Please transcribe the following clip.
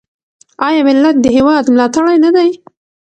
آیا ملت د هیواد ملاتړی نه دی؟